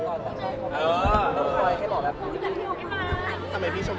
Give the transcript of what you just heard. เออแต่ว่าตอนนี้